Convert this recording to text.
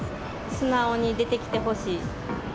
素直に出てきてほしい。